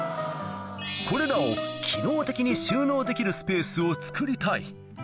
これらを機能的に収納できるスペースをつくりたい